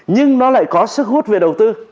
nhưng nó lại có sức hút về đầu tư